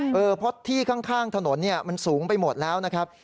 เพราะที่ข้างถนนมันสูงไปหมดแล้วนะครับ